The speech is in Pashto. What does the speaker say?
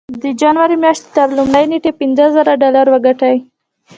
د جنوري مياشتې تر لومړۍ نېټې پينځه زره ډالر وګټئ.